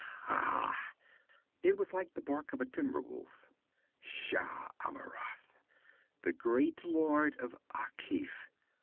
'Ha!' It was like the bark of a timber wolf. 'Shah Amurath, the great Lord of Akif!